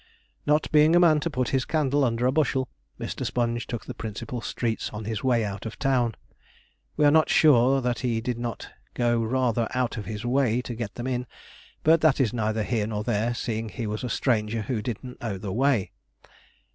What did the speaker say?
Not being the man to put his candle under a bushel, Mr. Sponge took the principal streets on his way out of town. We are not sure that he did not go rather out of his way to get them in, but that is neither here nor there, seeing he was a stranger who didn't know the way.